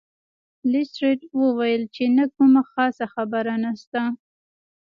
لیسټرډ وویل چې نه کومه خاصه خبره نشته.